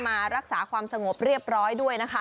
มารักษาความสงบเรียบร้อยด้วยนะคะ